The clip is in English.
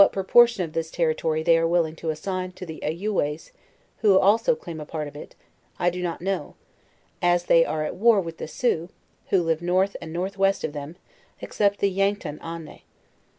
proportion of this territory they are willing to assign to the Ayouways, who alsoclaim a part of it, I do not know, as they are at war with the Sioux, who live north and north west of them, ex cept the Yankton Ahnah.